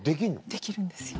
できるんですよ。